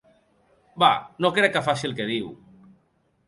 Bah, no crec que faci el que diu!